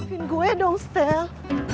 iyun ikut ya kang